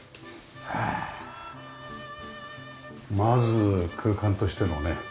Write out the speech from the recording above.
ああまず空間としてのね。